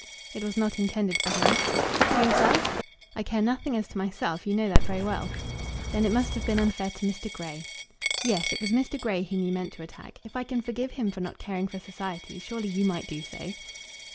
"It was not intended for him." "To yourself?" "I care nothing as to myself; you know that very well." "Then it must have been unfair to Mr. Grey." "Yes; it was Mr. Grey whom you meant to attack. If I can forgive him for not caring for society, surely you might do so."